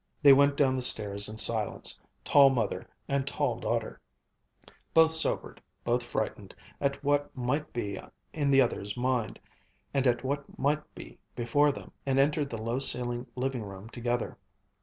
They went down the stairs in silence, tall mother and tall daughter, both sobered, both frightened at what might be in the other's mind, and at what might be before them, and entered the low ceilinged living room together.